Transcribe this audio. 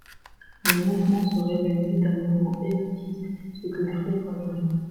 Le mouvement se révèle vite un mouvement élitiste, ce que Fried regrette.